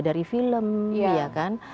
dari film ya kan